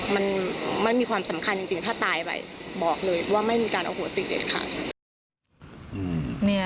มันไม่มีความสำคัญจริงถ้าตายไปบอกเลยว่าไม่มีการอโหสิกเด็ดขาด